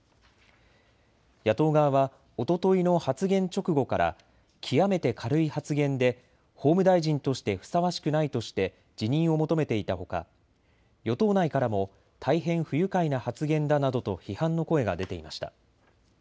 野党側はおとといの発言直後から極めて軽い発言で法務大臣としてふさわしくないとして辞任を求めていたほか与党内からも大変不愉快な発言だなどと批判の声が出ていました。